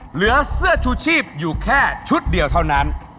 เหลือเสื้อชูชีพอยู่แค่ชุดเดียวเท่านั้น